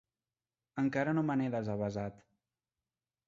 Encara no me n'he desavesat.